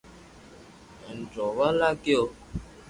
ھين رووا لاگيو